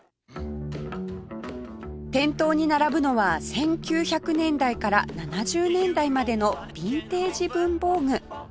店頭に並ぶのは１９００年代から７０年代までのビンテージ文房具